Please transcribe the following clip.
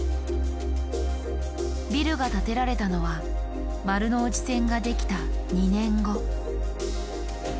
ビルが建てられたのは丸ノ内線が出来た２年後。